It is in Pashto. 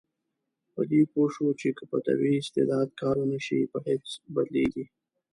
په دې پوه شو چې که په طبیعي استعداد کار ونشي، په هېڅ بدلیږي.